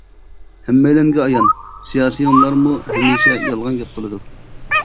ھەممەيلەنگە ئايان، سىياسىيونلارمۇ ھەمىشە يالغان گەپ قىلىدۇ.